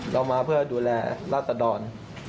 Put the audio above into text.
เรามาเพื่อดูแลราษดร